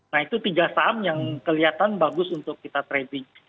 nah itu tiga saham yang kelihatan bagus untuk kita trading